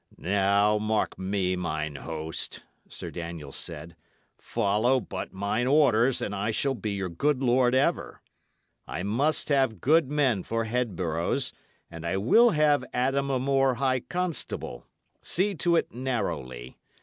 "Now, mark me, mine host," Sir Daniel said, "follow but mine orders, and I shall be your good lord ever. I must have good men for head boroughs, and I will have Adam a More high constable; see to it narrowly.